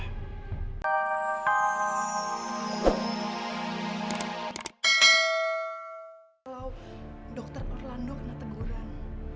kalau dr orlando kena teguran